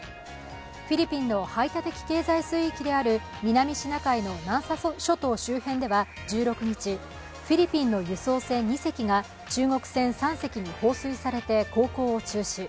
フィリピンの排他的経済水域である南シナ海の南沙諸島周辺では１６日、フィリピンの輸送船２隻が中国船３隻に放水されて航行を中止。